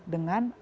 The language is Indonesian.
dengan orang lain